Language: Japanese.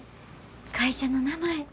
会社の名前